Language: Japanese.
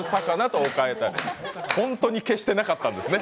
ホントに消してなかったんですね。